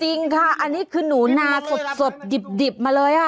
จริงค่ะอันนี้คือหนูนาสดดิบมาเลย